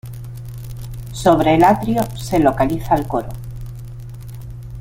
Sobre el atrio se localiza el coro.